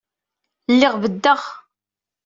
Lliɣ beddeɣ.